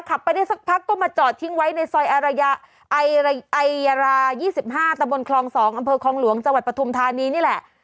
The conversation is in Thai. ขับไปได้สักพักก็มาจอดทิ้งไว้ในซอยอายารา๒๕ตะบนคลอง๒อำเภอคลองหลวงจังหวัดปฐุมธานีนี่แหละ